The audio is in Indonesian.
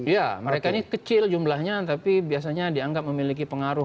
ya mereka ini kecil jumlahnya tapi biasanya dianggap memiliki pengaruh